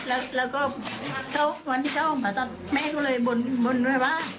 แล้วก็หวังเว้นเว่ออกมาฝาตัดแม่ก็เรยบงนแล้วว่า